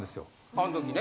あん時ね。